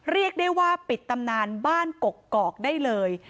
เรียกได้ว่าปิดตำนานบ้านกกอกได้เลย